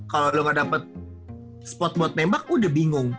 kalo lu gak dapet spot buat nembak udah bingung